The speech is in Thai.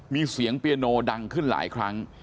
มีเสียงเปียโนดังขึ้นหลายครั้ง